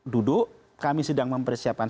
duduk kami sedang mempersiapkan